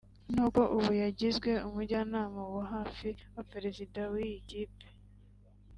ni uko ubu yagizwe umujyanama wa hafi wa Perezida w’iyi kipe